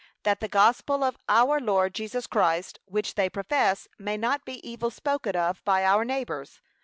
That the gospel of our Lord Jesus Christ, which they profess, may not be evil spoken of by our neighbours.